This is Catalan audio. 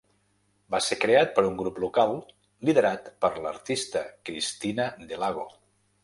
Va ser creat per un grup local liderat per l'artista Cristina Delago.